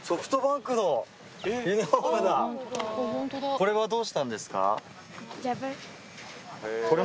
これはどうしたんですか？